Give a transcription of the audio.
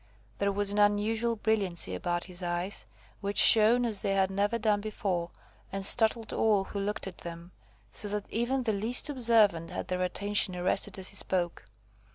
There was an unnatural brilliancy about his eyes, which shone as they had never done before, and startled all who looked at them, so that even the least observant had their attention arrested as he spoke.